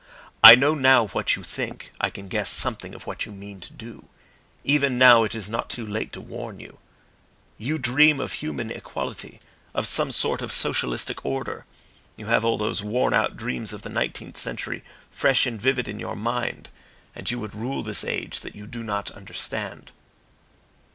"I know now what you think I can guess something of what you mean to do. Even now it is not too late to warn you. You dream of human equality of some sort of socialistic order you have all those worn out dreams of the nineteenth century fresh and vivid in your mind, and you would rule this age that you do not understand."